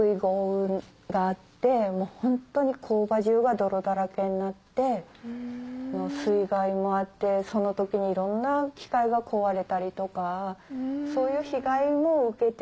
ホントに工場中が泥だらけになって水害もあってその時にいろんな機械が壊れたりとかそういう被害も受けて。